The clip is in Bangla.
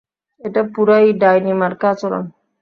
এটা পুরাই ডাইনি মার্কা আচরণ।